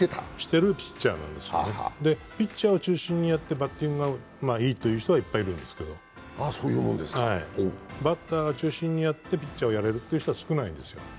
で、ピッチャーを中心にやってバッティングがいいという人はいるんですけれども、バッターを中心にやってピッチャーをやれるという人は少ないんですよ。